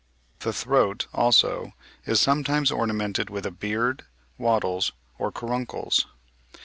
The throat, also, is sometimes ornamented with a beard, wattles, or caruncles.